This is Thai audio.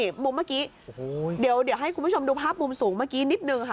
นี่มุมเมื่อกี้โอ้โหเดี๋ยวให้คุณผู้ชมดูภาพมุมสูงเมื่อกี้นิดนึงค่ะ